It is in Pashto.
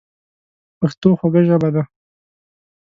پښتو خوږه ژبه ده.